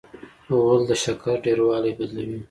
غول د شکر ډېروالی بدلوي.